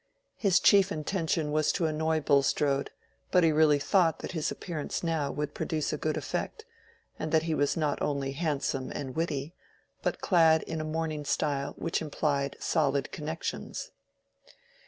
His chief intention was to annoy Bulstrode, but he really thought that his appearance now would produce a good effect, and that he was not only handsome and witty, but clad in a mourning style which implied solid connections.